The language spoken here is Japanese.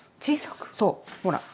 そうほら！